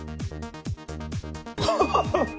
ハハハハッ！